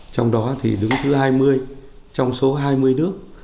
trong đó thì đứng thứ hai mươi trong số hai mươi nước